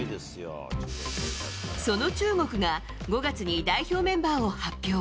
その中国が５月に代表メンバーを発表。